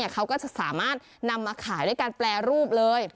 เขาก็จะสามารถนำมาขายด้วยการแปรรูปเลย